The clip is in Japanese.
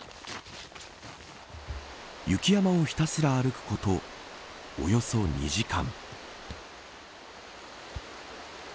雪山をひたすら歩くことおよそ２時間。